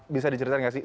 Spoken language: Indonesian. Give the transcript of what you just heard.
bisa diceritain nggak sih